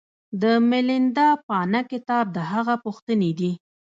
د میلیندا پانه کتاب د هغه پوښتنې دي